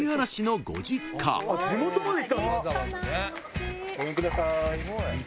ごめんください。